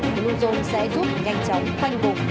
bluezone sẽ giúp nhanh chóng khoanh cục